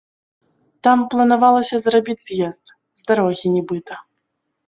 Там планавалася зрабіць з'езд з дарогі нібыта.